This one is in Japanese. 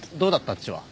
あっちは。